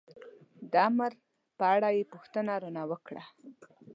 د امر په اړه یې پوښتنه را نه وکړه.